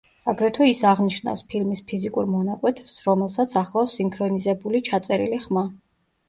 აგრეთვე ის აღნიშნავს ფილმის ფიზიკურ მონაკვეთს, რომელსაც ახლავს სინქრონიზებული ჩაწერილი ხმა.